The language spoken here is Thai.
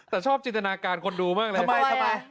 แต่ชอบจินตนาการคนดูมากเลยทำไม